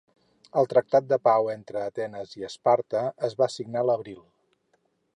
El tractat de pau entre Atenes i Esparta es va signar l'abril.